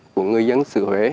của người dân sự huế